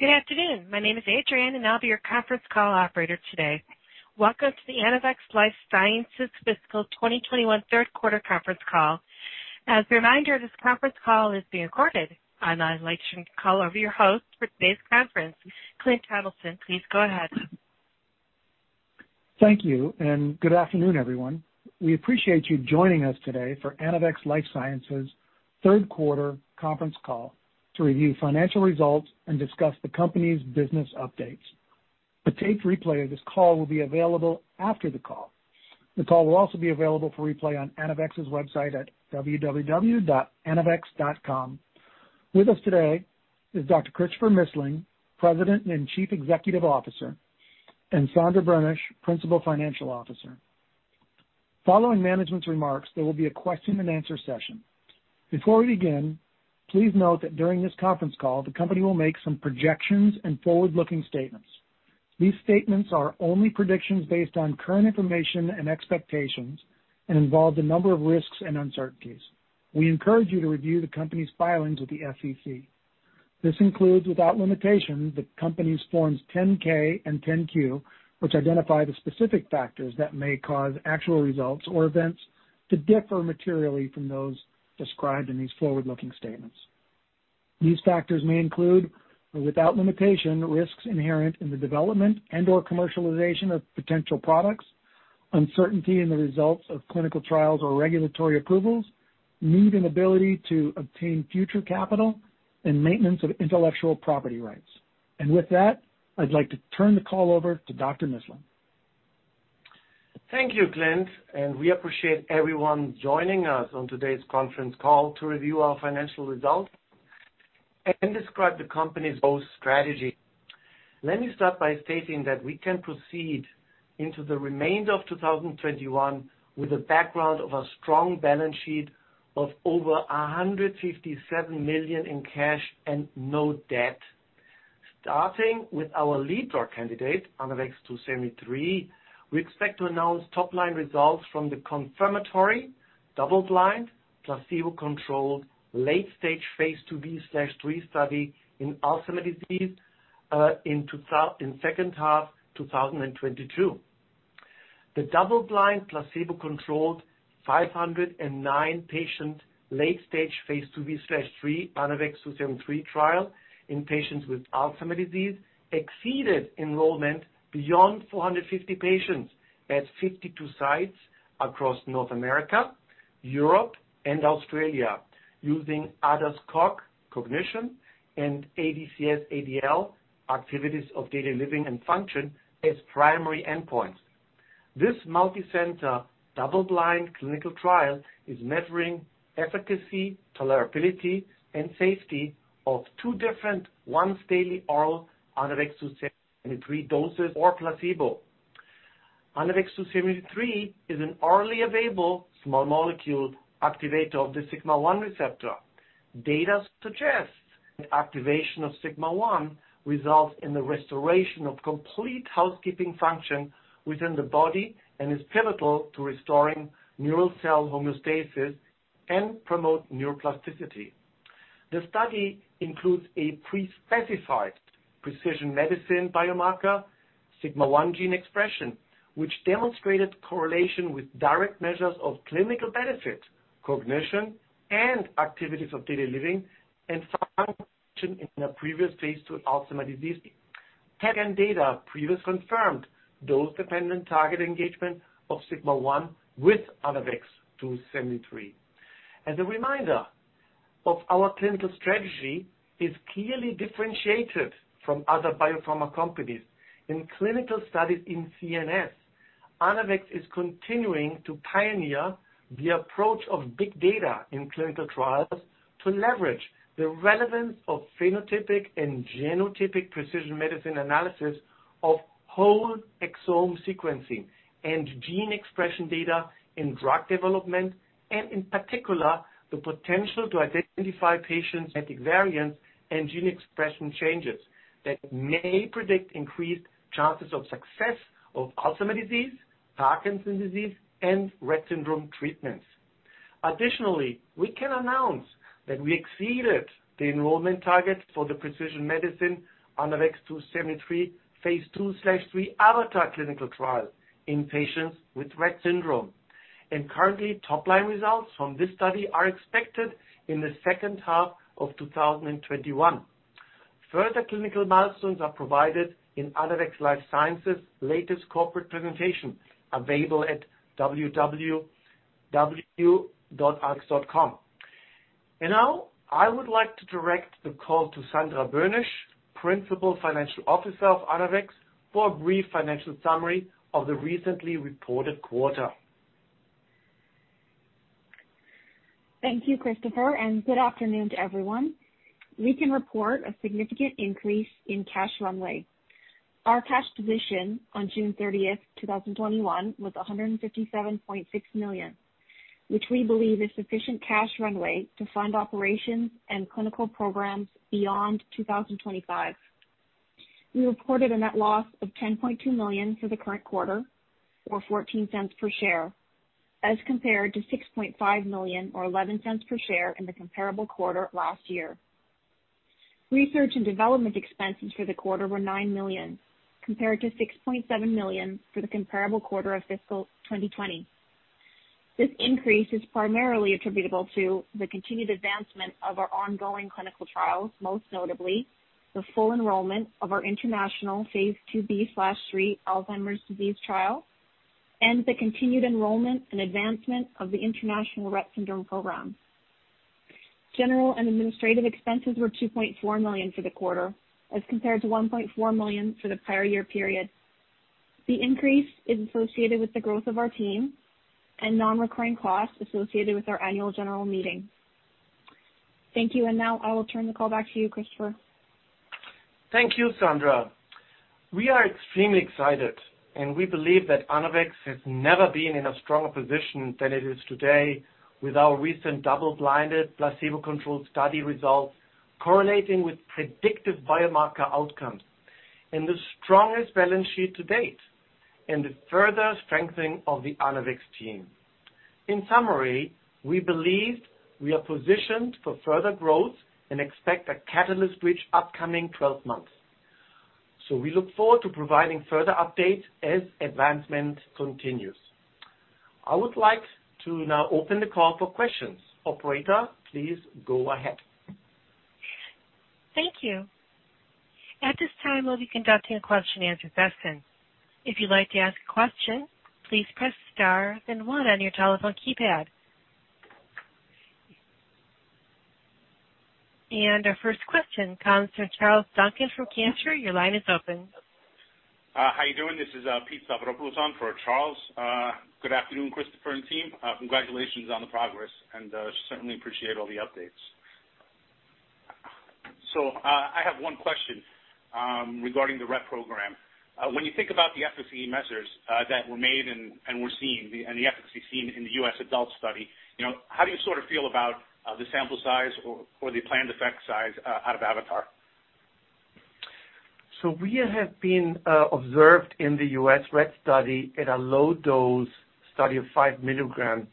Good afternoon. My name is Adrienne, and I'll be your conference call operator today. Welcome to the Anavex Life Sciences Fiscal 2021 Third Quarter Conference Call. As a reminder, this conference call is being recorded. I'd now like to turn the call over to your host for today's conference, Clint Tomlinson. Please go ahead. Thank you, good afternoon, everyone. We appreciate you joining us today for Anavex Life Sciences' third quarter conference call to review financial results and discuss the company's business updates. A taped replay of this call will be available after the call. The call will also be available for replay on Anavex's website at www.anavex.com. With us today is Dr. Christopher Missling, President and Chief Executive Officer, and Sandra Boenisch, Principal Financial Officer. Following management's remarks, there will be a question and answer session. Before we begin, please note that during this conference call, the company will make some projections and forward-looking statements. These statements are only predictions based on current information and expectations and involve the number of risks and uncertainties. We encourage you to review the company's filings with the SEC. This includes without limitation, the company's Forms 10-K and 10-Q, which identify the specific factors that may cause actual results or events to differ materially from those described in these forward-looking statements. These factors may include, but without limitation, risks inherent in the development and/or commercialization of potential products, uncertainty in the results of clinical trials or regulatory approvals, need and ability to obtain future capital, and maintenance of intellectual property rights. With that, I'd like to turn the call over to Dr. Missling. Thank you, Clint, and we appreciate everyone joining us on today's conference call to review our financial results and describe the company's bold strategy. Let me start by stating that we can proceed into the remainder of 2021 with a background of a strong balance sheet of over $157 million in cash and no debt. Starting with our lead drug candidate, ANAVEX 2-73, we expect to announce top-line results from the confirmatory, double-blind, placebo-controlled late stage phase IIb/III study in Alzheimer's disease in second half 2022. The double-blind, placebo-controlled 509-patient late stage phase IIb/III ANAVEX®2-73 trial in patients with Alzheimer's disease exceeded enrollment beyond 450 patients at 52 sites across North America, Europe, and Australia using ADAS-Cog, cognition, and ADCS-ADL, Activities of Daily Living and function as primary endpoints. This multi-center, double-blind clinical trial is measuring efficacy, tolerability, and safety of two different once daily oral ANAVEX®2-73 doses or placebo. ANAVEX®2-73 is an orally available small molecule activator of the sigma-1 receptor. Data suggests the activation of sigma-1 results in the restoration of complete housekeeping function within the body and is pivotal to restoring neural cell homeostasis and promote neuroplasticity. The study includes a pre-specified precision medicine biomarker, sigma-1 gene expression, which demonstrated correlation with direct measures of clinical benefit, cognition, and activities of daily living and function in a previous phase II Alzheimer's disease. Technical data previous confirmed dose-dependent target engagement of sigma-1 with ANAVEX®2-73. As a reminder of our clinical strategy is clearly differentiated from other biopharma companies. In clinical studies in CNS, Anavex is continuing to pioneer the approach of big data in clinical trials to leverage the relevance of phenotypic and genotypic precision medicine analysis of whole exome sequencing and gene expression data in drug development, in particular, the potential to identify patients' genetic variants and gene expression changes that may predict increased chances of success of Alzheimer's disease, Parkinson's disease, and Rett syndrome treatments. We can announce that we exceeded the enrollment target for the precision medicine ANAVEX®2-73 phase II/III AVATAR clinical trial in patients with Rett syndrome. Currently, top-line results from this study are expected in the second half of 2021. Further clinical milestones are provided in Anavex Life Sciences' latest corporate presentation, available at www.anavex.com. Now, I would like to direct the call to Sandra Boenisch, Principal Financial Officer of Anavex, for a brief financial summary of the recently reported quarter. Thank you, Christopher. Good afternoon to everyone. We can report a significant increase in cash runway. Our cash position on June 30th, 2021, was $157.6 million, which we believe is sufficient cash runway to fund operations and clinical programs beyond 2025. We reported a net loss of $10.2 million for the current quarter, or $0.14 per share, as compared to $6.5 million or $0.11 per share in the comparable quarter last year. Research and development expenses for the quarter were $9 million, compared to $6.7 million for the comparable quarter of fiscal 2020. This increase is primarily attributable to the continued advancement of our ongoing clinical trials, most notably the full enrollment of our international phase IIb/III Alzheimer's disease trial and the continued enrollment and advancement of the international Rett syndrome program. General and administrative expenses were $2.4 million for the quarter as compared to $1.4 million for the prior year period. The increase is associated with the growth of our team and non-recurring costs associated with our annual general meeting. Thank you. Now I will turn the call back to you, Christopher. Thank you, Sandra. We are extremely excited, and we believe that Anavex has never been in a stronger position than it is today with our recent double-blinded, placebo-controlled study results correlating with predictive biomarker outcomes and the strongest balance sheet to date and the further strengthening of the Anavex team. In summary, we believe we are positioned for further growth and expect a catalyst-rich upcoming 12 months. We look forward to providing further updates as advancement continues. I would like to now open the call for questions. Operator, please go ahead. Thank you. At this time, we'll be conducting a question and answer session. If you'd like to ask a question, please press star then one on your telephone keypad. Our first question comes from Charles Duncan from Cantor. Your line is open. How are you doing? This is Pete Stavropoulos on for Charles. Good afternoon, Christopher and team. Congratulations on the progress and certainly appreciate all the updates. I have one question regarding the Rett program. When you think about the efficacy measures that were made and were seen, and the efficacy seen in the U.S. adult study, how do you sort of feel about the sample size or the planned effect size out of AVATAR? We have been observed in the U.S. Rett study at a low dose study of 5 mg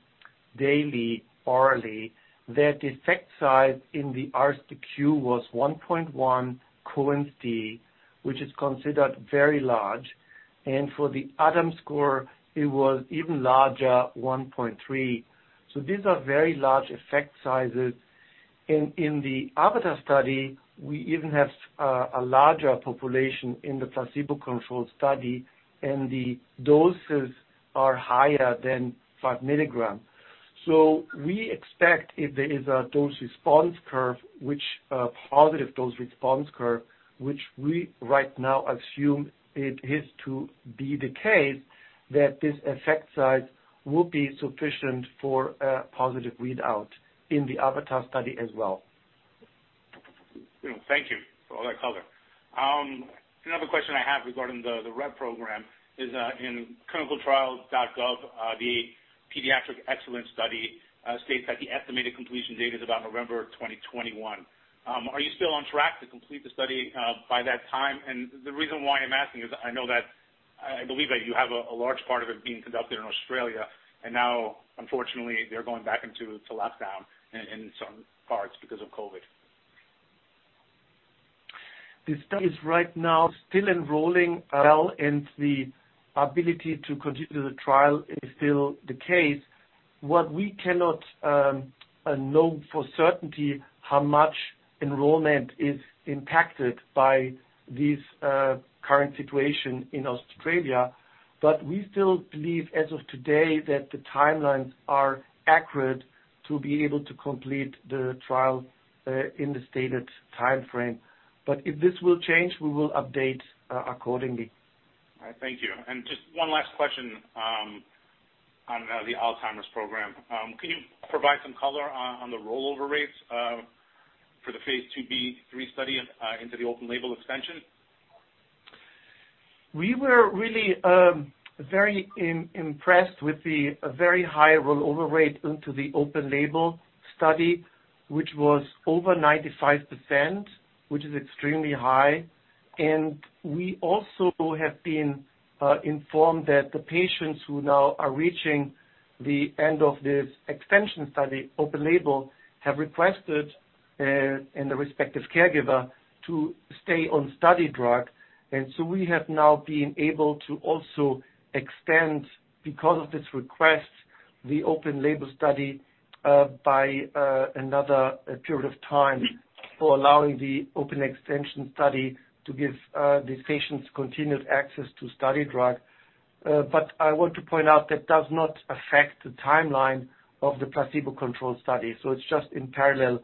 daily orally, that effect size in the RSQ was 1.1 Cohen’s d, which is considered very large. For the ADAMS score, it was even larger, 1.3. These are very large effect sizes. In the AVATAR study, we even have a larger population in the placebo-controlled study, and the doses are higher than 5 mg. We expect if there is a dose response curve, a positive dose response curve, which we right now assume it is to be the case, that this effect size will be sufficient for a positive readout in the AVATAR study as well. Thank you for all that color. Another question I have regarding the Rett program is in clinicaltrials.gov, the Pediatric EXCELLENCE Study states that the estimated completion date is about November 2021. Are you still on track to complete the study by that time? The reason why I'm asking is I believe that you have a large part of it being conducted in Australia, and now unfortunately, they're going back into lockdown in some parts because of COVID. The study is right now still enrolling well, and the ability to continue the trial is still the case. What we cannot know for certainty how much enrollment is impacted by this current situation in Australia. We still believe as of today that the timelines are accurate to be able to complete the trial in the stated timeframe. If this will change, we will update accordingly. All right. Thank you. Just one last question on the Alzheimer's program. Can you provide some color on the rollover rates for the phase IIb/III study into the open label extension? We were really very impressed with the very high rollover rate into the open label study, which was over 95%, which is extremely high. We also have been informed that the patients who now are reaching the end of this extension study, open label, have requested, and the respective caregiver, to stay on study drug. We have now been able to also extend, because of this request, the open label study by another period of time for allowing the open extension study to give these patients continued access to study drug. I want to point out that does not affect the timeline of the placebo-controlled study. It's just in parallel,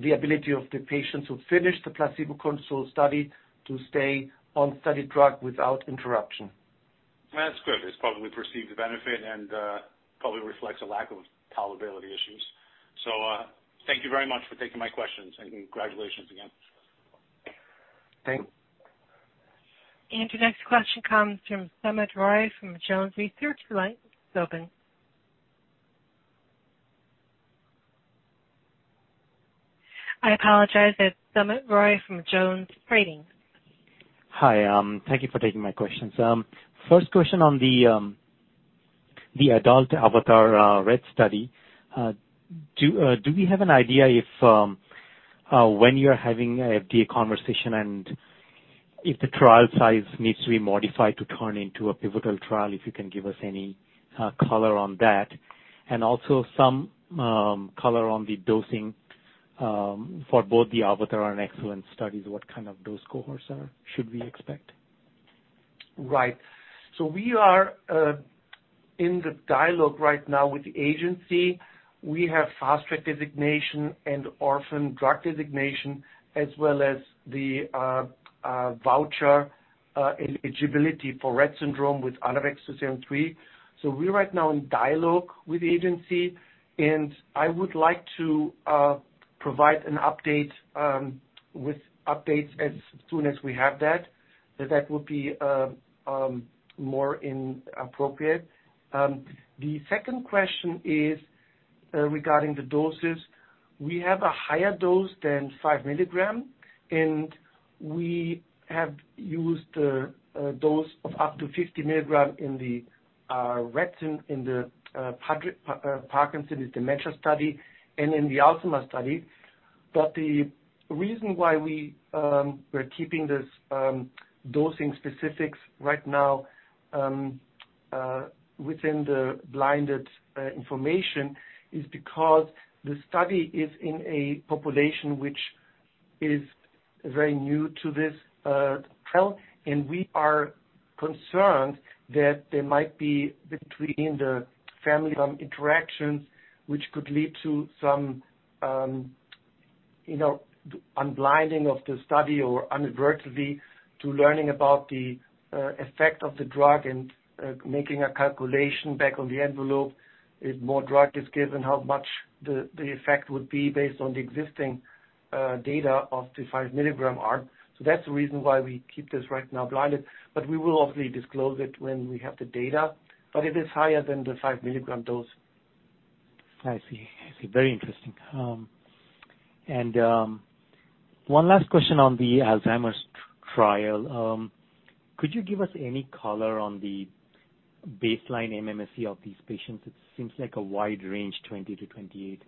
the ability of the patients who finish the placebo-controlled study to stay on study drug without interruption. That's good. It's probably perceived a benefit and probably reflects a lack of tolerability issues. Thank you very much for taking my questions, and congratulations again. Thank you. Your next question comes from Soumit Roy from Jones Trading. Your line is open. I apologize. It is Soumit Roy from Jones Trading. Hi. Thank you for taking my questions. First question on the adult AVATAR-Rett study. Do we have an idea if, when you're having a FDA conversation, and if the trial size needs to be modified to turn into a pivotal trial, if you can give us any color on that? Also some color on the dosing for both the AVATAR and EXCELLENCE Studies, what kind of dose cohorts should we expect? Right. We are in the dialogue right now with the agency. We have Fast Track designation and Orphan Drug designation, as well as the voucher eligibility for Rett syndrome with ANAVEX®2-73. We are right now in dialogue with the agency, and I would like to provide an update with updates as soon as we have that. That would be more appropriate. The second question is regarding the doses. We have a higher dose than 5 mg, and we have used a dose of up to 50 mg in the Parkinson's dementia study and in the Alzheimer's study. The reason why we're keeping this dosing specifics right now within the blinded information is because the study is in a population which is very new to this trial, and we are concerned that there might be between the family interactions, which could lead to some unblinding of the study or inadvertently to learning about the effect of the drug and making a calculation back on the envelope if more drug is given, how much the effect would be based on the existing data of the 5 mg arm. That's the reason why we keep this right now blinded, but we will obviously disclose it when we have the data. It is higher than the 5 mg dose. I see. Very interesting. One last question on the Alzheimer's trial. Could you give us any color on the baseline MMSE of these patients? It seems like a wide range, 20-28.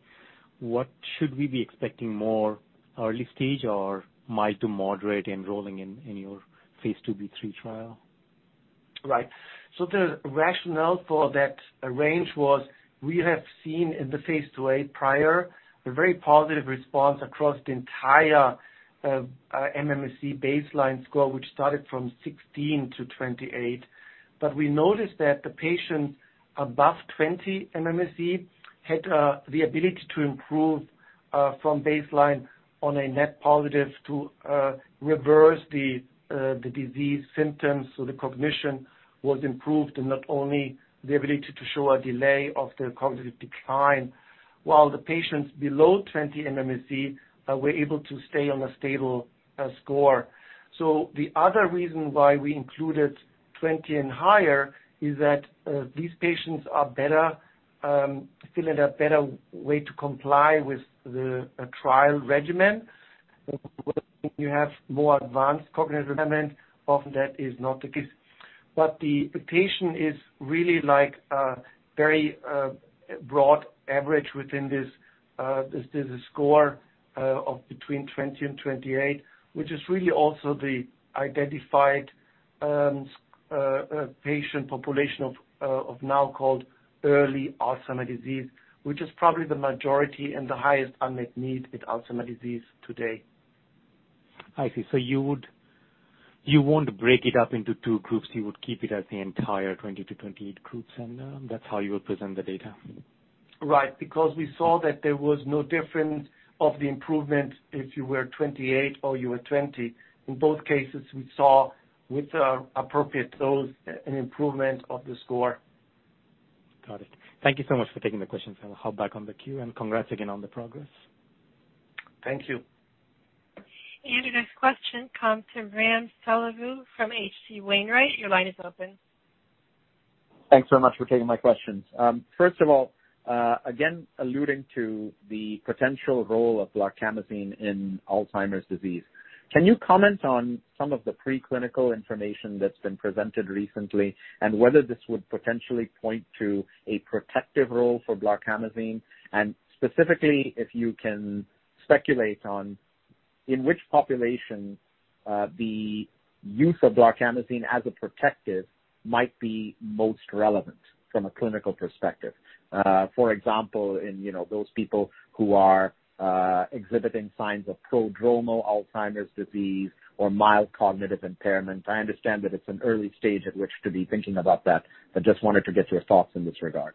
What should we be expecting more early stage or mild to moderate enrolling in your phase II-B/III trial? Right. The rationale for that range was we have seen in the phase II-A prior a very positive response across the entire MMSE baseline score, which started from 16-28. We noticed that the patients above 20 MMSE had the ability to improve from baseline on a net positive to reverse the disease symptoms. The cognition was improved and not only the ability to show a delay of the cognitive decline while the patients below 20 MMSE were able to stay on a stable score. The other reason why we included 20 and higher is that these patients are better, still in a better way to comply with the trial regimen. When you have more advanced cognitive impairment often that is not the case. The patient is really a very broad average within this score of between 20 and 28, which is really also the identified patient population of now called early Alzheimer's disease, which is probably the majority and the highest unmet need with Alzheimer's disease today. I see. You won't break it up into two groups. You would keep it as the entire 20-28 groups, and that's how you will present the data. Right, because we saw that there was no difference of the improvement if you were 28 or you were 20. In both cases, we saw with appropriate dose an improvement of the score. Got it. Thank you so much for taking the questions and I'll hop back on the queue and congrats again on the progress. Thank you. The next question comes from Ram Selvaraju from H.C. Wainwright. Your line is open. Thanks so much for taking my questions. First of all, again alluding to the potential role of blarcamesine in Alzheimer's disease, can you comment on some of the preclinical information that's been presented recently and whether this would potentially point to a protective role for blarcamesine? And specifically, if you can speculate on in which population the use of blarcamesine as a protective might be most relevant from a clinical perspective. For example, in those people who are exhibiting signs of prodromal Alzheimer's disease or mild cognitive impairment. I understand that it's an early stage at which to be thinking about that, but just wanted to get your thoughts in this regard.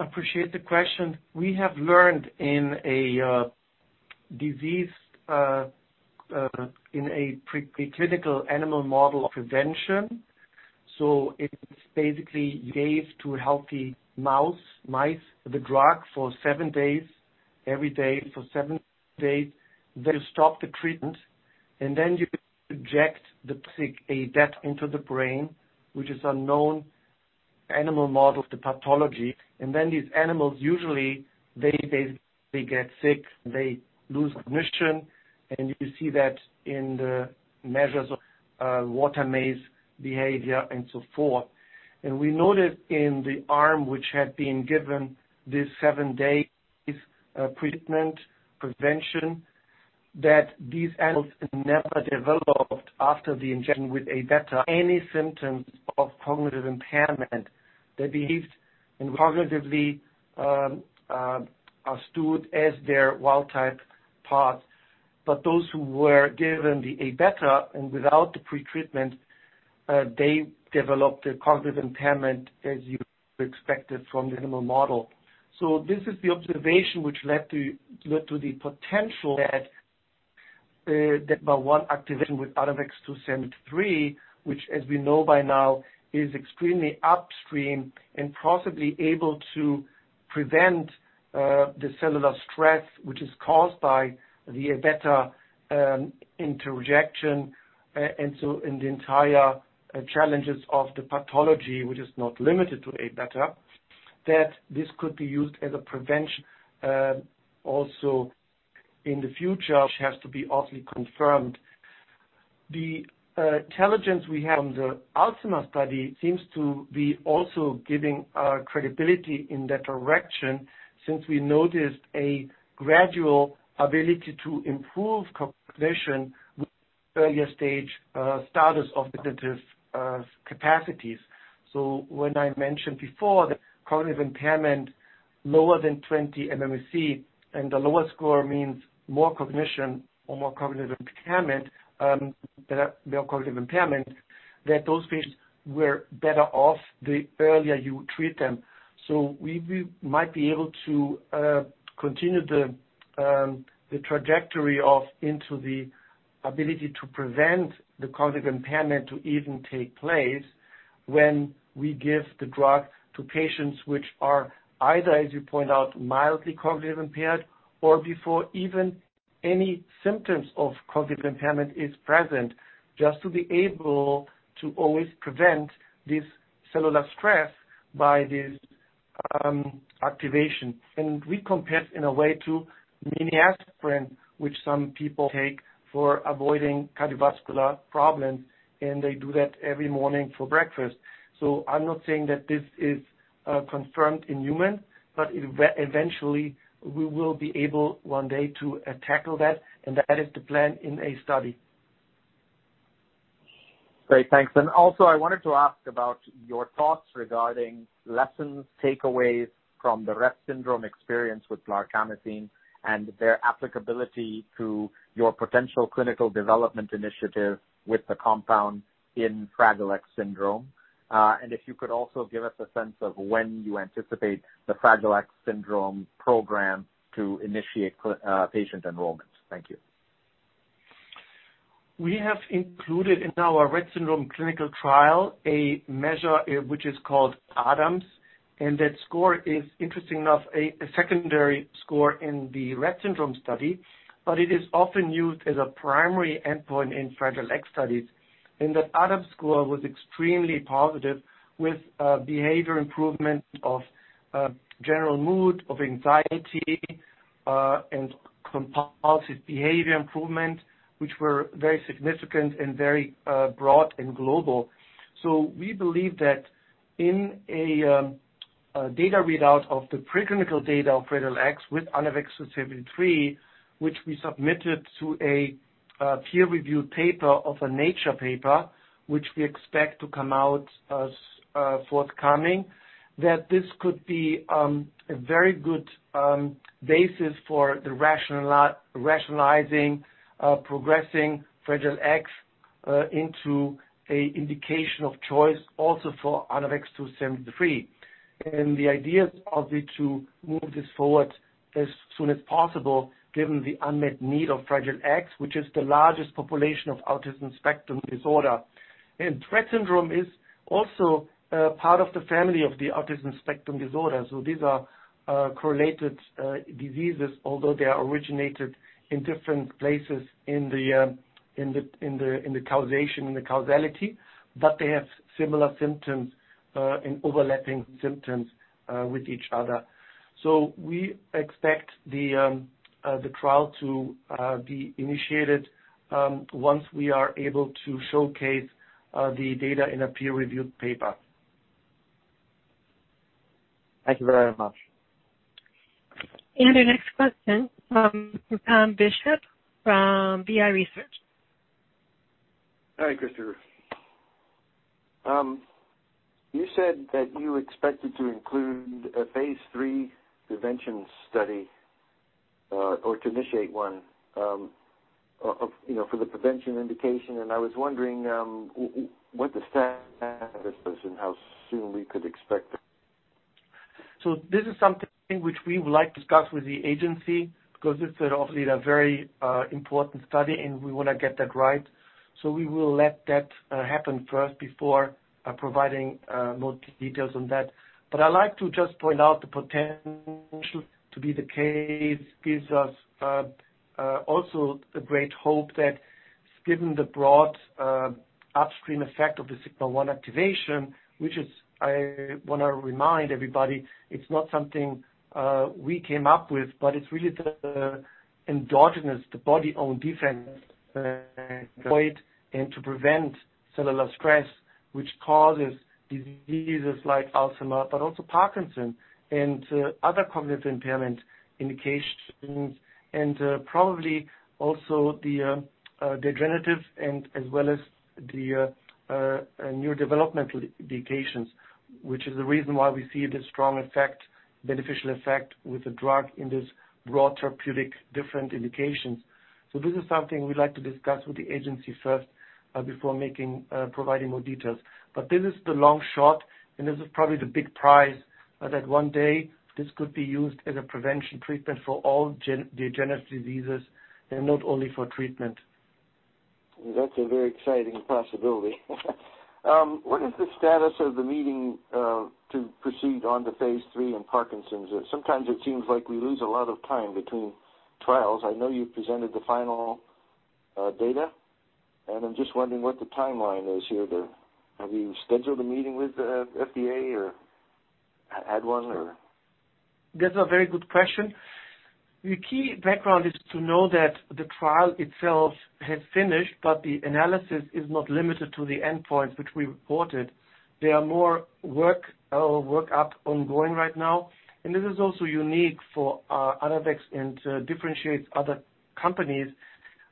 Appreciate the question. We have learned in a disease, in a preclinical animal model of prevention. It's basically gave to healthy mice the drug for seven days, every day for seven days. You stop the treatment. Then you inject the toxic A-beta into the brain, which is a known animal model of the pathology. These animals usually they get sick, they lose cognition, and you see that in the measures of water maze behavior and so forth. We noticed in the arm which had been given this seven-day pretreatment prevention, that these animals never developed, after the injection with A-beta, any symptoms of cognitive impairment. They behaved and cognitively stood as their wild type part. Those who were given the A-beta and without the pretreatment, they developed a cognitive impairment as you expected from the animal model. This is the observation which led to the potential that by one activation with ANAVEX®2-73, which as we know by now, is extremely upstream and possibly able to prevent the cellular stress, which is caused by the A-beta injection. In the entire challenges of the pathology, which is not limited to A-beta, that this could be used as a prevention also in the future, which has to be also confirmed. The intelligence we have on the Alzheimer study seems to be also giving credibility in that direction since we noticed a gradual ability to improve cognition with earlier stage status of cognitive capacities. When I mentioned before that cognitive impairment lower than 20 MMSE, and the lower score means more cognition or more cognitive impairment that those patients were better off the earlier you treat them. We might be able to continue the trajectory of into the ability to prevent the cognitive impairment to even take place when we give the drug to patients which are either, as you point out, mildly cognitively impaired or before even any symptoms of cognitive impairment is present, just to be able to always prevent this cellular stress by this activation. We compare it in a way to mini aspirin, which some people take for avoiding cardiovascular problems, and they do that every morning for breakfast. I'm not saying that this is confirmed in humans but eventually we will be able one day to tackle that, and that is the plan in a study. Great. Thanks. Also, I wanted to ask about your thoughts regarding lessons, takeaways from the Rett syndrome experience with blarcamesine and their applicability to your potential clinical development initiative with the compound in Fragile X syndrome. If you could also give us a sense of when you anticipate the Fragile X syndrome program to initiate patient enrollment. Thank you. We have included in our Rett syndrome clinical trial a measure which is called ADAMS, and that score is interesting enough, a secondary score in the Rett syndrome study, but it is often used as a primary endpoint in Fragile X studies. That ADAMS score was extremely positive with behavior improvement of general mood, of anxiety, and compulsive behavior improvement which were very significant and very broad and global. We believe that in a data readout of the preclinical data of Fragile X with ANAVEX®2-73, which we submitted to a peer-reviewed paper of a Nature paper, which we expect to come out as forthcoming, that this could be a very good basis for the rationalizing progressing Fragile X into an indication of choice also for ANAVEX®2-73. The idea of the two move this forward as soon as possible, given the unmet need of Fragile X, which is the largest population of autism spectrum disorder. Rett syndrome is also part of the family of the autism spectrum disorder. These are correlated diseases, although they are originated in different places in the causation, in the causality, but they have similar symptoms and overlapping symptoms with each other. We expect the trial to be initiated once we are able to showcase the data in a peer-reviewed paper. Thank you very much. Our next question from Tom Bishop from BI Research. Hi, Christopher. You said that you expected to include a phase III prevention study, or to initiate one, for the prevention indication, and I was wondering what the status is and how soon we could expect that? This is something which we would like to discuss with the FDA because this is obviously a very important study, and we want to get that right. We will let that happen first before providing more details on that. I like to just point out the potential to be the case gives us also a great hope that. Given the broad upstream effect of the sigma-1 activation, which is, I want to remind everybody, it's not something we came up with, but it's really the endogenous, the body own defense, and to prevent cellular stress, which causes diseases like Alzheimer's, but also Parkinson's and other cognitive impairment indications and probably also the degenerative and as well as the neurodevelopmental indications, which is the reason why we see this strong effect, beneficial effect with the drug in this broad therapeutic different indications. This is something we'd like to discuss with the agency first before providing more details. This is the long shot, and this is probably the big prize, that one day this could be used as a prevention treatment for all degenerative diseases and not only for treatment. That's a very exciting possibility. What is the status of the meeting to proceed on to phase III in Parkinson's? Sometimes it seems like we lose a lot of time between trials. I know you've presented the final data. I'm just wondering what the timeline is here. Have you scheduled a meeting with the FDA or had one or? That's a very good question. The key background is to know that the trial itself has finished but the analysis is not limited to the endpoints which we reported. There are more work up ongoing right now, and this is also unique for Anavex and differentiates other companies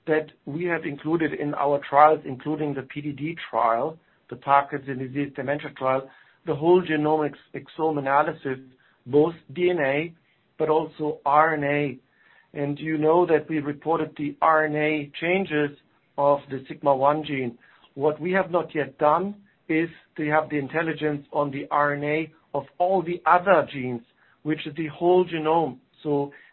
that we have included in our trials, including the PDD trial, the Parkinson's disease dementia trial, the whole exome sequencing, both DNA but also RNA. You know that we reported the RNA changes of the sigma-1 gene. What we have not yet done is to have the intelligence on the RNA of all the other genes, which is the whole genome.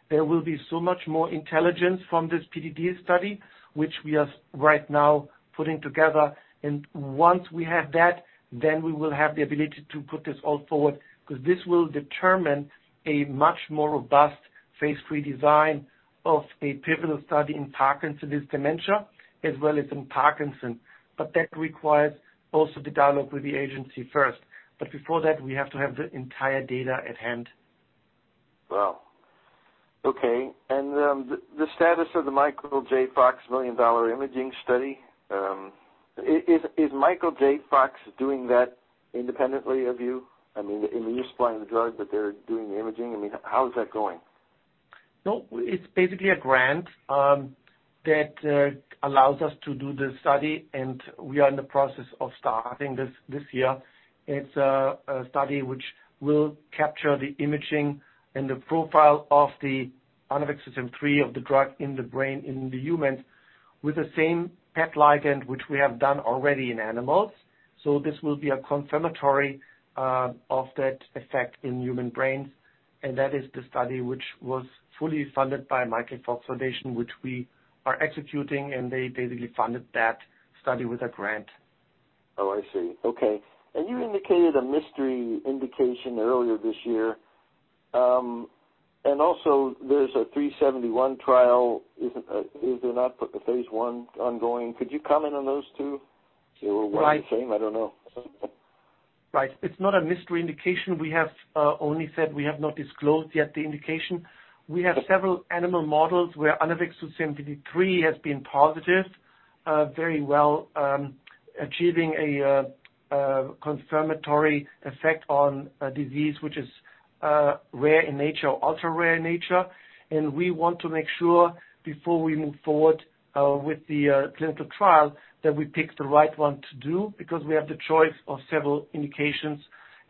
There will be so much more intelligence from this PDD study, which we are right now putting together and once we have that, then we will have the ability to put this all forward because this will determine a much more robust phase III design of a pivotal study in Parkinson's disease dementia, as well as in Parkinson's. That requires also the dialogue with the agency first. Before that, we have to have the entire data at hand. Wow. Okay. The status of the Michael J. Fox $1 million imaging study. Is Michael J. Fox doing that independently of you? I mean, you're supplying the drug, but they're doing the imaging. How is that going? It's basically a grant that allows us to do the study, and we are in the process of starting this year. It's a study which will capture the imaging and the profile of the ANAVEX®3-71 of the drug in the brain in the humans with the same PET ligand, which we have done already in animals. This will be a confirmatory of that effect in human brains, and that is the study which was fully funded by Michael J. Fox Foundation, which we are executing and they basically funded that study with a grant. I see. Okay. You indicated a mystery indication earlier this year. Also there's a 3-71 trial, is there not, put the phase I ongoing. Could you comment on those two? They were one and the same, I don't know. Right. It's not a mystery indication. We have only said we have not disclosed yet the indication. We have several animal models where ANAVEX®3-71 has been positive, very well, achieving a confirmatory effect on a disease which is rare in nature or ultra-rare in nature. We want to make sure before we move forward with the clinical trial that we pick the right one to do because we have the choice of several indications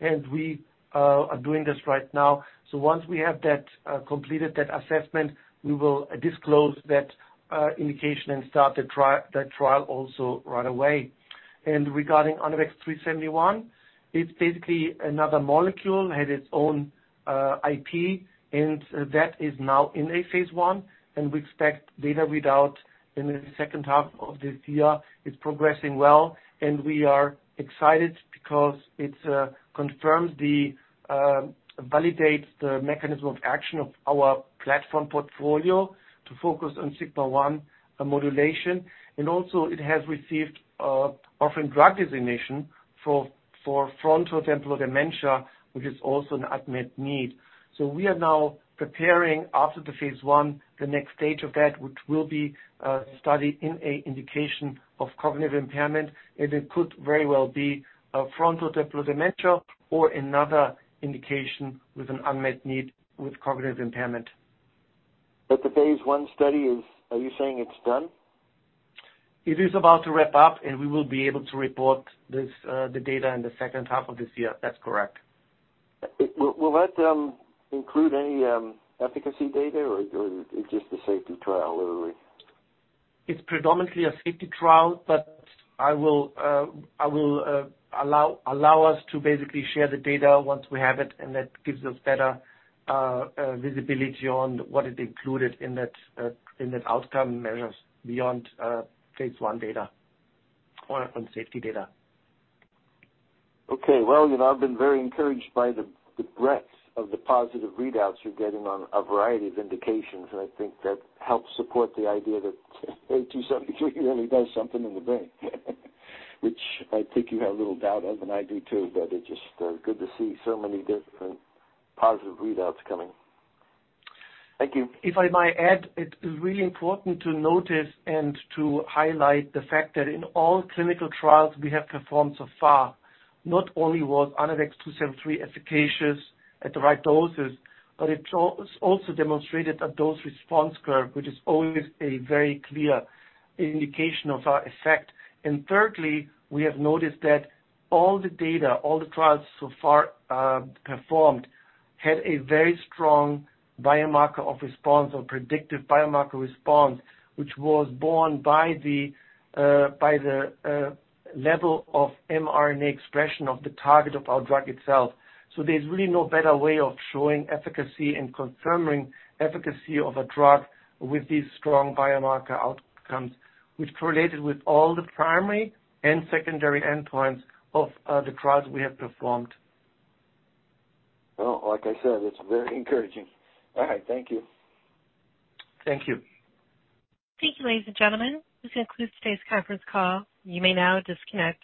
and we are doing this right now. Once we have completed that assessment, we will disclose that indication and start that trial also right away. Regarding ANAVEX®3-71, it's basically another molecule, has its own IP, and that is now in a phase I, and we expect data readout in the second half of this year. It's progressing well and we are excited because it confirms, validates the mechanism of action of our platform portfolio to focus on sigma-1 modulation. Also it has received Orphan Drug designation for frontotemporal dementia, which is also an unmet need. We are now preparing after the phase I, the next stage of that, which will be a study in a indication of cognitive impairment. It could very well be a frontotemporal dementia or another indication with an unmet need with cognitive impairment. The phase I study, are you saying it's done? It is about to wrap up, and we will be able to report the data in the second half of this year. That's correct. Will that include any efficacy data, or it's just a safety trial? It's predominantly a safety trial, but I will allow us to basically share the data once we have it, and that gives us better visibility on what is included in that outcome measures beyond phase I data or on safety data. Okay. Well, I've been very encouraged by the breadth of the positive readouts you're getting on a variety of indications, and I think that helps support the idea that ANAVEX®2-73 really does something in the brain, which I think you have little doubt of, and I do too but it's just good to see so many different positive readouts coming. Thank you. If I might add, it is really important to notice and to highlight the fact that in all clinical trials we have performed so far, not only was ANAVEX®2-73 efficacious at the right doses, but it also demonstrated a dose response curve which is always a very clear indication of our effect. Thirdly, we have noticed that all the data, all the trials so far performed had a very strong biomarker of response or predictive biomarker response, which was borne by the level of mRNA expression of the target of our drug itself. There's really no better way of showing efficacy and confirming efficacy of a drug with these strong biomarker outcomes, which correlated with all the primary and secondary endpoints of the trials we have performed. Well, like I said, it's very encouraging. All right. Thank you. Thank you. Thank you, ladies and gentlemen. This concludes today's conference call. You may now disconnect.